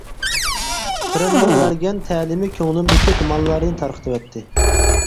-پىرىمنىڭ بەرگەن تەلىمى كۆڭلۈمدىكى تۇمانلارنى تارقىتىۋەتتى.